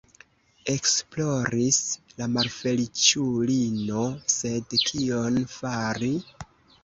Ekploris la malfeliĉulino, sed kion fari?